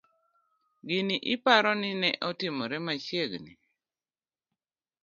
Gini ipani ne otimore machiegni?